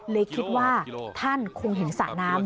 เลยคิดว่าท่านคงเห็นสระน้ำ